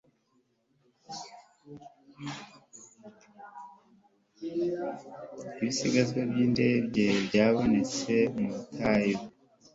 ibisigazwa by'indege byabonetse mu butayu